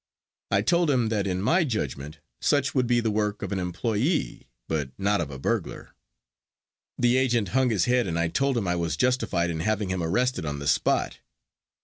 I told him that in my judgment such would be the work of an employee but not of a burglar. The agent hung his head and I told him I was justified in having him arrested on the spot.